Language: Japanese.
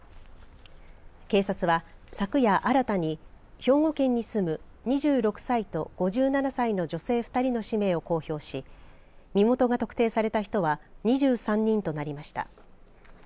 警察は昨夜、新たに兵庫県に住む２６歳と５７歳の女性２人の氏名を公表し身元が特定された人は２３人となりました。